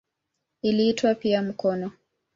Iliitwa pia "mkono".